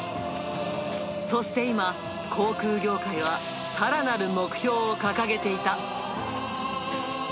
そして今、航空業界はさらなる目標を掲げていた。